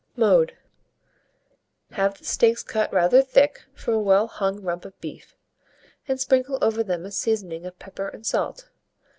Mode. Have the steaks cut rather thick from a well hung rump of beef, and sprinkle over them a seasoning of pepper and salt.